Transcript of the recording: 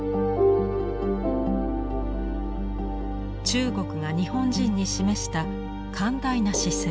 中国が日本人に示した寛大な姿勢。